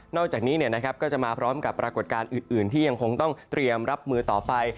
อกจากนี้ก็จะมาพร้อมกับปรากฏการณ์อื่นที่ยังคงต้องเตรียมรับมือต่อไป